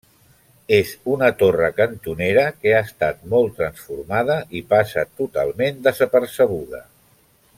És una torre cantonera que ha estat molt transformada i passa totalment desapercebuda.